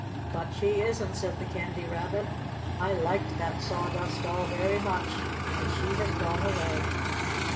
"But she isn't," said the Candy Rabbit. "I liked that Sawdust Doll very much, but she has gone away."